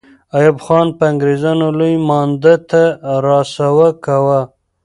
ایوب خان به انګریزان لوی مانده ته را سوه کاوه.